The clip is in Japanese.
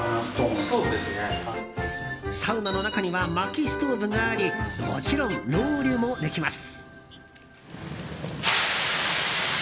サウナの中にはまきストーブがありもちろんロウリュもできます。